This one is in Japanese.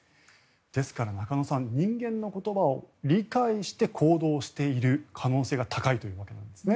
ですから、中野さん人間の言葉を理解して行動している可能性が高いというわけなんですね。